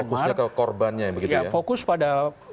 fokusnya ke korbannya